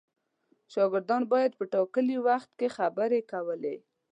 شاګردان باید په ټاکلي وخت کې خبرې کولې.